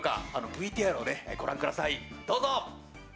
ＶＴＲをご覧ください。